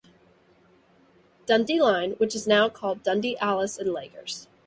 Dundee line, which is now called Dundee Ales and Lagers.